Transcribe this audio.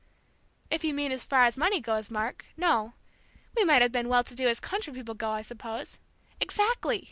"If you mean as far as money goes, Mark, no. We might have been well to do as country people go, I suppose " "Exactly!"